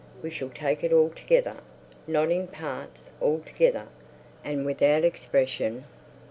We shall take it all together; not in parts, all together. And without expression.